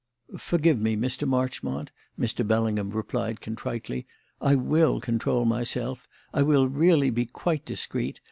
"Forgive me, Marchmont," Mr. Bellingham replied contritely. "I will control myself; I will really be quite discreet.